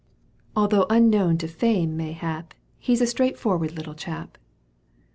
Although imknown to fame mayhap, He's a straightforward little chap."